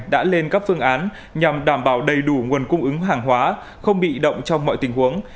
đã lên các phương án nhằm đảm bảo đầy đủ nguồn cung ứng hàng hóa không bị động trong mọi tình huống